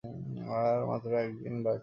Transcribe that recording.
আর মাত্র একদিন বাকী।